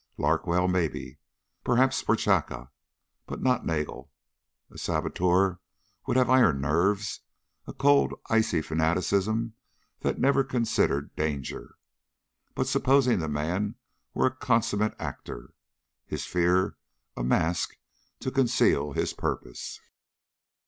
Larkwell, maybe. Perhaps Prochaska. But not Nagel. A saboteur would have iron nerves, a cold, icy fanaticism that never considered danger. But supposing the man were a consummate actor, his fear a mask to conceal his purpose?